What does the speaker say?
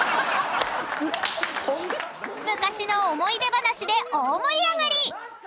［昔の思い出話で大盛り上がり！］